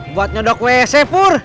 buat nyodok wc pur